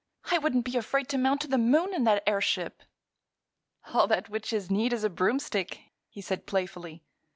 "I wouldn't be afraid to mount to the moon in that airship." "All that witches need is a broomstick," he said playfully.